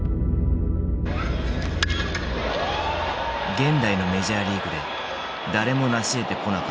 現代のメジャーリーグで誰もなしえてこなかった二刀流。